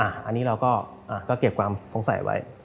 อันนี้เราก็เก็บความสงสัยไว้